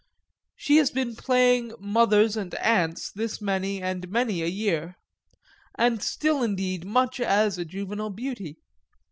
She has been playing mothers and aunts this many and many a year and still indeed much as a juvenile beauty.